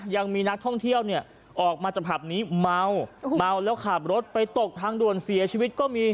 ยังมีนักท่องเที่ยวเนี่ยออกมาจากผับนี้เมาเมาแล้วขับรถไปตกทางด่วนเสียชีวิตก็มี